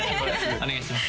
お願いします